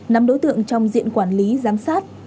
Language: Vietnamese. nắm đối tượng trong diện quản lý giám sát